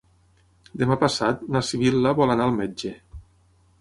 Demà passat na Sibil·la vol anar al metge.